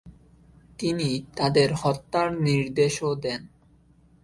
তিনি তাদের হত্যার নির্দেশও দেন।